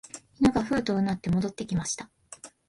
犬がふうと唸って戻ってきました